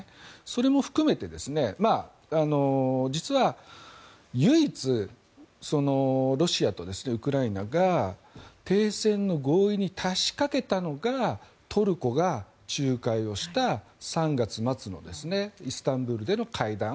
それも含めて、実は唯一、ロシアとウクライナが停戦の合意に達しかけたのがトルコが仲介をした３月末のイスタンブールでの会談。